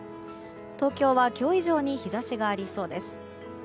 東京は、今日以上に日差しがありそうです。